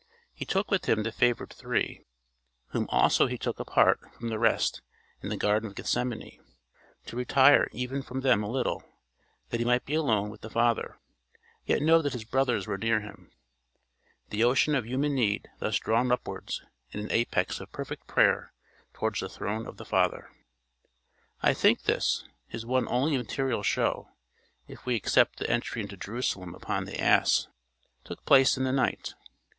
He took with him the favoured three, whom also he took apart from the rest in the garden of Gethsemane, to retire even from them a little, that he might be alone with the Father, yet know that his brothers were near him the ocean of human need thus drawn upwards in an apex of perfect prayer towards the throne of the Father. I think this, his one only material show, if we except the entry into Jerusalem upon the ass, took place in the night.